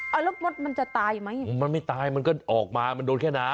เอาแล้วมดมันจะตายไหมมันไม่ตายมันก็ออกมามันโดนแค่น้ำ